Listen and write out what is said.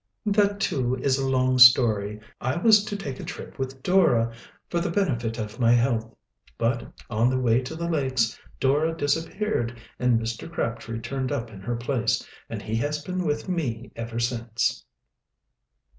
"That, too, is a long story. I was to take a trip with Dora, for the benefit of my health. But, on the way to the lakes Dora disappeared and Mr. Crabtree turned up in her place and he has been with me ever since."